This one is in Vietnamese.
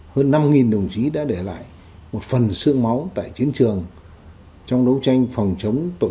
hơn năm đồng chí đã để lại một phần sương máu tại chiến trường trong đấu tranh phòng chống tội